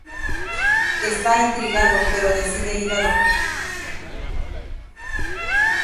Está intrigado, pero decide ir a dormir.